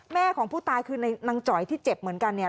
แม่ของผู้ตายคือนางจ๋อยที่เจ็บเหมือนกันเนี่ย